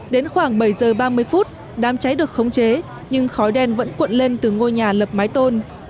đến khoảng bảy giờ ba mươi phút đám cháy được khống chế nhưng khói đen vẫn cuộn lên từ ngôi nhà lập mái tôn